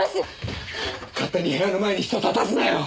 勝手に部屋の前に人立たすなよクソ親が！